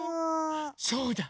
そうだ！